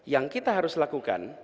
yang kita harus lakukan